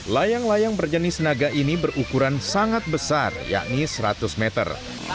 layang layang berjenis naga ini berukuran sangat besar yakni seratus meter